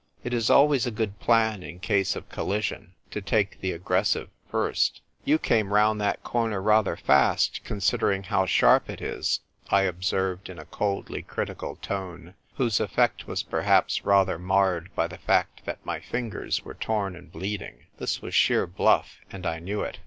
It is always a good plan, in case of collision, to take the aggressive first. " You came round that cor ner rather fast, considering how sharp it is," I observed in a coldly cri* ical tone, who^e effect was perhaps rather marred by the fact that my fingers were torn and bleeding. This was sheer bluff, and I knew it.